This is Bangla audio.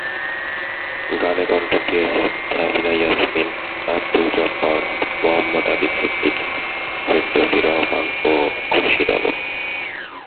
গানে কণ্ঠ দিয়েছেন সাবিনা ইয়াসমিন, আব্দুল জব্বার, মোহাম্মদ আলী সিদ্দিকী, ফেরদৌসী রহমান ও খুরশিদ আলম।